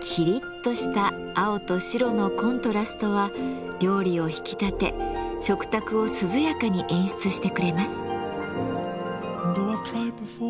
きりっとした青と白のコントラストは料理を引き立て食卓を涼やかに演出してくれます。